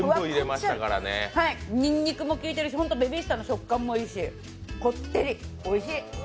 にんにくも効いてるしベビースターの食感もいいしこってり、おいしい。